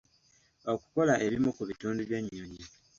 Okukola ebimu ku bitundu by’ennyonyi.